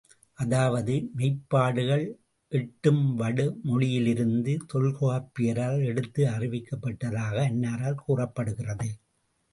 அதாவது, மெய்ப்பாடுகள் எட்டும் வடமொழியிலிருந்து தொல்காப்பியரால் எடுத்து அறிவிக்கப்பட்டதாக அன்னாரால் கூறப்படுகிறது.